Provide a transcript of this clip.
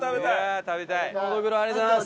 のどぐろありがとうございます！